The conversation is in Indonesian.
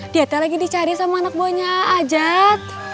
dia tadi lagi dicari sama anak buahnya ajat